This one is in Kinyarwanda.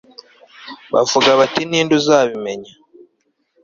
bavuga bati ni nde uzabimenya